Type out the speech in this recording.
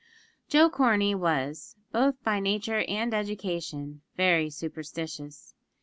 Joe Corney was, both by nature and education, very superstitious.